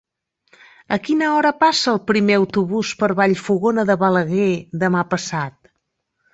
A quina hora passa el primer autobús per Vallfogona de Balaguer demà passat?